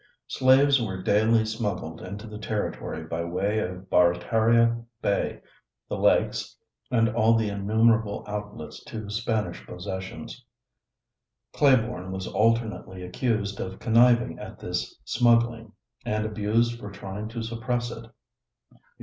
Slaves were daily smuggled into the territory by way of Barataria Bay, the lakes, and all the innumerable outlets to Spanish possessions. Claiborne was alternately accused of conniving at this smuggling and abused for trying to suppress it.